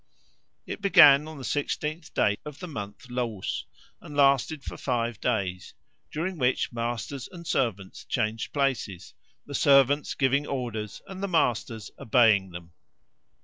It began on the sixteenth day of the month Lous, and lasted for five days, during which masters and servants changed places, the servants giving orders and the masters obeying them.